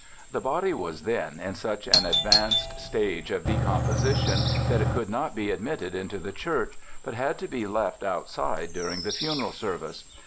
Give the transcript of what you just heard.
The body was then in such an advanced stage of decomposition that it could not be admitted into the church, but had to be left outside during the funeral service.